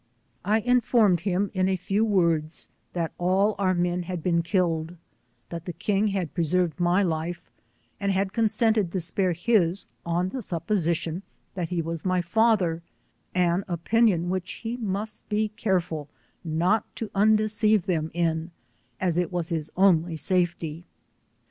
I informed him, in a few words, that all our men had been killed ; that the king had preserved my life, and had consented to spare his on the sup position that he was my father, an opinion which he must be careful not to undeceive them in, as it was his only safety.